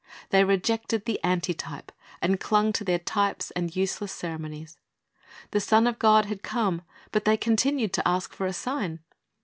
They rejected the antitype, and clung to their types and useless ceremonies. The Son of God had come, but they continued to ask for a sign.